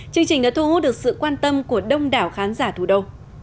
chương trình đã thu hút được sự quan tâm của đông đảo khán giả thủ đô